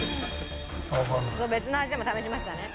「別の味でも試しましたね」